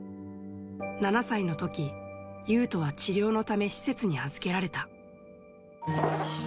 ７歳のとき、ユウトは治療のため施設に預けられた。